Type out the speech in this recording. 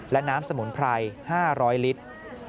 และน้ำสมุนไพร๕๐๐ลิตร